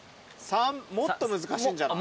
もっと難しいんじゃない？